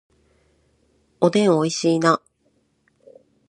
おでん美味しいな